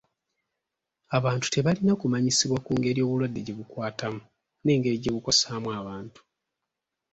Abantu tebalina kumanyisibwa ku ngeri obulwadde gye bukwatamu n'engeri gye bukosaamu abantu.